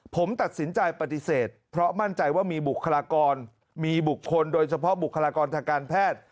ผมตัดสินใจปฏิเสธเพราะมั่นใจว่ามีบุคลากรมีบุคคลโดยเฉพาะบุคลากรทางการแพทย์